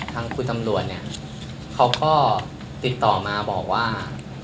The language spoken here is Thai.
ทางคุณตำรวจเนี่ยเขาก็ติดต่อมาบอกว่า